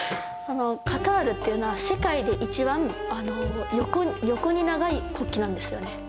カタールっていうのは、世界で一番横に長い国旗なんですよね。